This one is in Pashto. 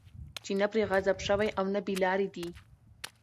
چې نه پرې غضب شوی، او نه بې لاري دي